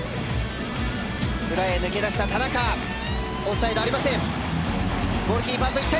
裏へ抜け出した田中オフサイドはありません。